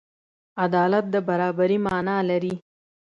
عدالت د برابري معنی لري.